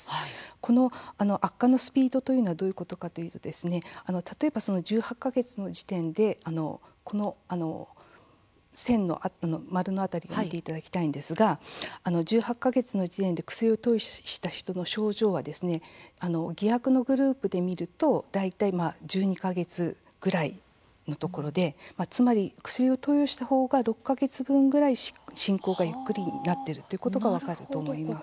この悪化のスピードというのはどういうことかというと例えば１８か月の時点でこの線の丸の辺り見ていただきたいんですが１８か月の時点で薬を投与した人の症状は偽薬のグループで見ると大体１２か月ぐらいのところでつまり、薬を投与した方が６か月分ぐらい進行がゆっくりになっているということが分かると思います。